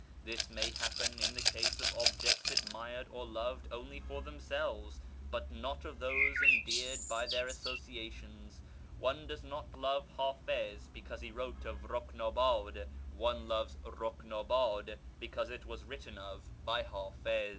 This may happen in the case of objects admired or loved only for themselves, but not of those endeared by their associations. One does not love Hafiz because he wrote of Euknabad : one loves Euknabad because it was written of by Hafiz.